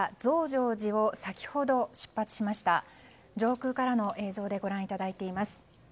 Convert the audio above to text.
上空からの映像でご覧いただいています。